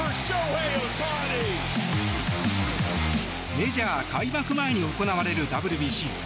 メジャー開幕前に行われるＷＢＣ。